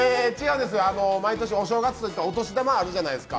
毎年、お正月にはお年玉あるじゃないですか。